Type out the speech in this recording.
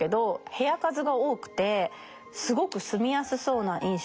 部屋数が多くてすごく住みやすそうな印象です。